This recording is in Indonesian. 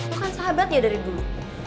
lo kan sahabat ya dari dulu